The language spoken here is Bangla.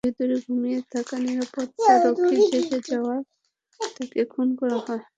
ব্যাংকের ভেতরে ঘুমিয়ে থাকা নিরাপত্তারক্ষী জেগে যাওয়ায় তাঁকে খুন করা হয়।